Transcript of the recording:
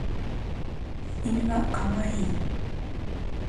犬は可愛い。